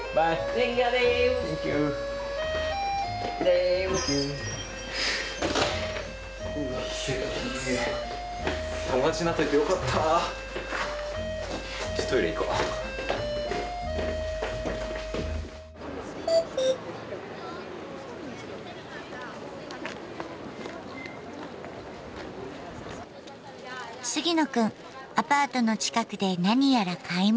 杉野くんアパートの近くで何やら買い物。